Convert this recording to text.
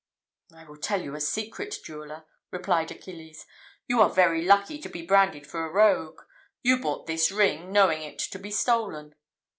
"I will tell you a secret, jeweller," replied Achilles. "You are very likely to be branded for a rogue. You bought this ring, knowing it to be stolen."